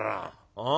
ああ。